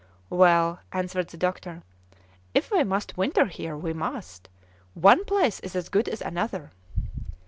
"Well," answered the doctor, "if we must winter here, we must. One place is as good as another."